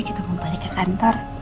kita mau balik ke kantor